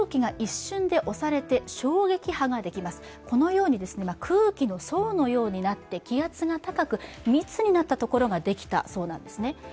このように空気の層のようになって気圧が高く、密になったところができたそうなんですね。